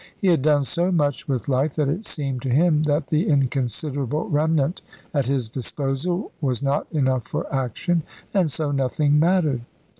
He had done so much with life, that it seemed to him that the inconsiderable remnant at his disposal was not enough for action, and so nothing mattered.